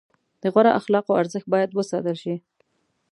د غوره اخلاقو ارزښت باید وساتل شي.